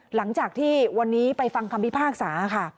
หลังจากที่วันนี้ไปฟังคำพิพากษาค่ะ